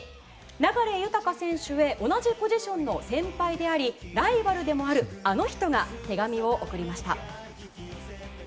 流大選手へ同じポジションの先輩でありライバルでもあるあの人が手紙を送りました。